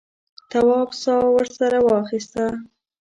تواب سا ورسره واخیسته.